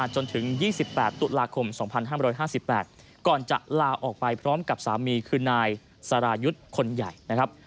จนถึง๒๘ตุลาคม๒๕๕๘ก่อนจะลาออกไปพร้อมกับสามีคือนายสรายุทธ์คนใหญ่นะครับ